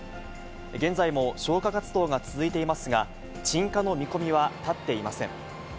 現在も消火活動が続いていますが、鎮火の見込みは立っていません。